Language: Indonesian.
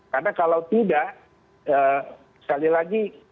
karena kalau tidak sekali lagi